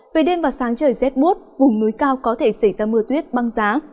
về đêm và sáng trời rét bút vùng núi cao có thể xảy ra mưa tuyết băng giá